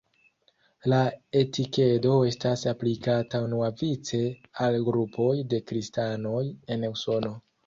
La etikedo estas aplikata unuavice al grupoj de kristanoj en Usono.